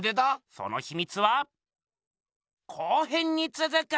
そのひみつは後編につづく！